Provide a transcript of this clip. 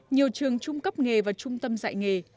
nhiều trường trung cấp nghề và trung tâm dạy nghề